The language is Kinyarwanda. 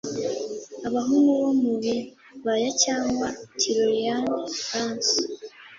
abahungu bo mubibaya cyangwa tyrolean franc